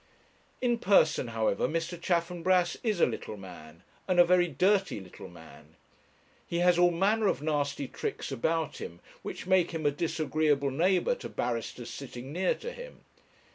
In person, however, Mr. Chaffanbrass is a little man, and a very dirty little man. He has all manner of nasty tricks about him, which make him a disagreeable neighbour to barristers sitting near to him.